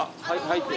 入って。